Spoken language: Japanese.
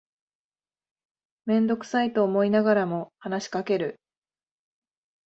めんどくさいと思いながらも話しかける